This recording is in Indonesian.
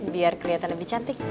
biar keliatan lebih cantik